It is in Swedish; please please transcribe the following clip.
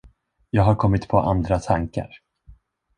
Jag har kommit på andra tankar.